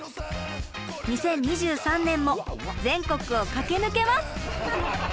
２０２３年も全国を駆け抜けます！